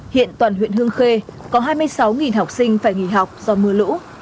hiện toàn huyện hương khê có hai mươi sáu học sinh phải nghỉ học do mưa lũ